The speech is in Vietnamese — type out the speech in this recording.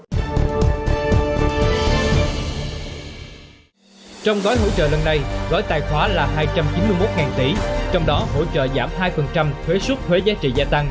ạ trong gói hỗ trợ lần này gói tài khoá là hai trăm chín mươi một tỷ trong đó hỗ trợ giảm hai phần trăm thuế suất thuế giá trị gia tăng